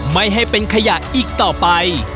ไม่ให้เป็นขยะอีกต่อไป